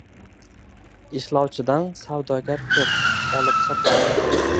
Ishlovchidan savdogar koʼp, olib sotar